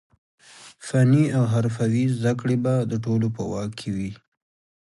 فني او حرفوي زده کړې به د ټولو په واک کې وي.